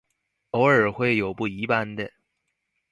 偶尔会有不一般的。